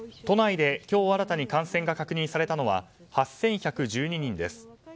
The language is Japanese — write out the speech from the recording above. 都内で今日新たに感染が確認されたのは８１１２人です。